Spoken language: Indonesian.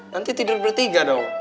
nanti tidur bertiga dong